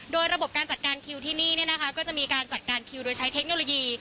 โดยระบบการจัดการคิวที่นี่ก็จะมีการจัดการคิวโดยใช้เทคโนโลยี